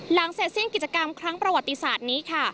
หลังเสร็จสิ้นกิจกรรมครั้งประวัติศาสตร์นี้ค่ะ